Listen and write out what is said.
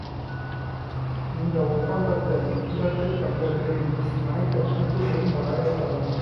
இந்த ஒப்பந்தத்தை ஈழத்துத் தமிழர்களின் அனைத்து அமைப்புகளும் வரவேற்றன.